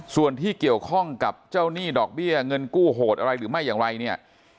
ส่วนที่เกี่ยวข้องกับเจ้าหนี้ดอกเบี้ยเงินกู้โหดอะไรหรือไม่อย่างไรเนี่ย